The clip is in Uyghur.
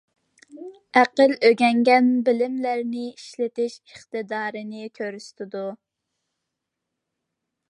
ئەقىل ئۆگەنگەن بىلىملەرنى ئىشلىتىش ئىقتىدارىنى كۆرسىتىدۇ.